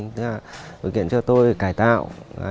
tức là điều kiện cho tôi cải tạo